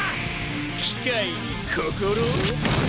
機械に心？